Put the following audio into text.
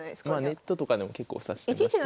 ネットとかでも結構指してました。